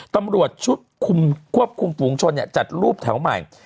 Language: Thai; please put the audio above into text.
ตำรวจควบคุมผูงชนจัดรูปแถวใหม่